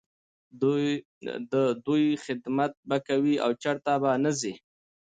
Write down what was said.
د دوی خدمت به کوې او چرته به نه ځې.